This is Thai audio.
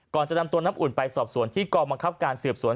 จะนำตัวน้ำอุ่นไปสอบสวนที่กองบังคับการสืบสวน